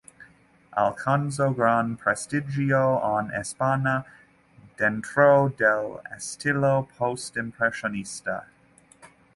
Alcanzó gran prestigio en España dentro del estilo post-impresionista.